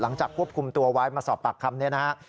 หลังจากควบคุมตัวไว้มาสอบปากคำ